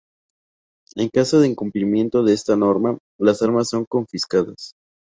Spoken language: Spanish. En caso de incumplimiento de esa norma, las armas son confiscadas.